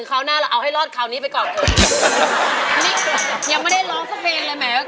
กว่าจะจบรายการเนี่ย๔ทุ่มมาก